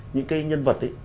những cái nhân vật ấy